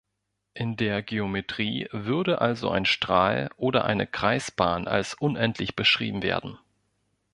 In der Geometrie würde also ein Strahl oder eine Kreisbahn als unendlich beschrieben werden.